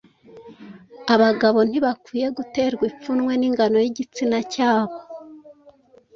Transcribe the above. abagabo ntibakwiye guterwa ipfunwe n’ingano y’igitsina cyabo,